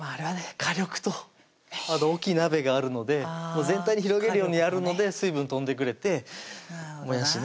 火力と大きい鍋があるので全体に広げるようにやるので水分飛んでくれてもやしね